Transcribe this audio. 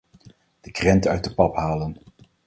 De krenten uit de pap halen.